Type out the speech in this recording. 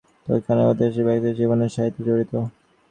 অন্যান্য সকল ধর্মই কোন তথাকথিত ঐতিহাসিক ব্যক্তির জীবনের সহিত জড়িত।